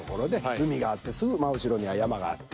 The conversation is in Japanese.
海があってすぐ真後ろには山があって。